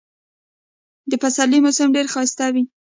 د پسرلي موسم ډېر ښایسته وي.